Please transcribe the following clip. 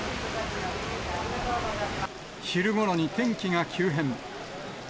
昼ごろに天気が急変。